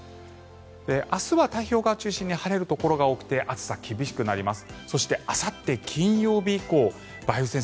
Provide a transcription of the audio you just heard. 明日は太平洋側中心に晴れるところが多くて暑さ、厳しくなります。